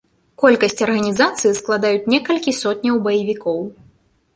Колькасць арганізацыі складаюць некалькі сотняў баевікоў.